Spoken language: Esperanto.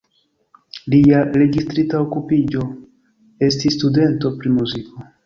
Lia registrita okupiĝo estis "studento pri muziko".